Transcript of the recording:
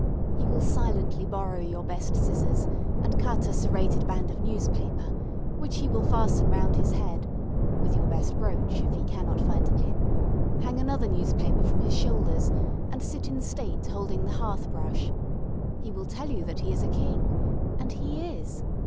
He will silently borrow your best scissors and cut a serrated band of newspaper, which he will fasten round his head (with your best brooch, if he cannot find a pin), hang another newspaper from his shoulders, and sit in state holding the hearth brush. He will tell you that he is a king and he is.